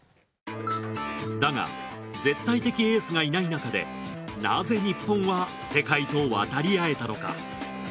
だが絶対的エースがいないなかでなぜ日本は世界と渡り合えたのか？